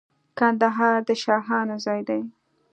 کندهار د شاهانو ځای دی.